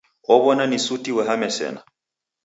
Ow'ona ni suti uhame sena.